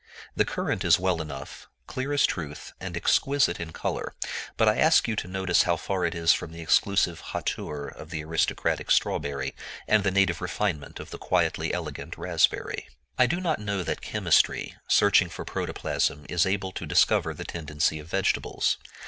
The currant is well enough, clear as truth, and exquisite in color; but I ask you to notice how far it is from the exclusive hauteur of the aristocratic strawberry, and the native refinement of the quietly elegant raspberry. I do not know that chemistry, searching for protoplasm, is able to discover the tendency of vegetables.